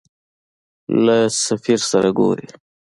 له سفیر سره ګورې.